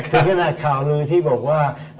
ถึงก็น่าข่าวลือที่บอกว่า